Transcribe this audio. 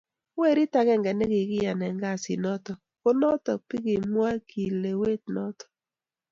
werit agenge ne kikiyon eng kasit noto ko noto be kimwai kilewet noto